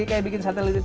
kayak bikin satelit